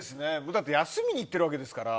だって休みに行ってるわけですから。